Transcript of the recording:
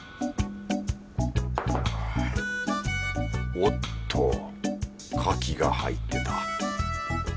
おっとカキが入ってた